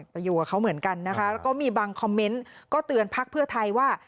ไปอยู่กับเขาเหมือนกันนะคะแล้วก็มีบางคอมเมนต์ก็เตือนพักเพื่อไทยว่า